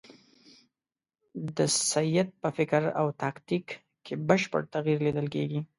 د سید په فکر او تاکتیک کې بشپړ تغییر لیدل کېږي.